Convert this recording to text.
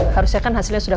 harusnya kan hasilnya sudah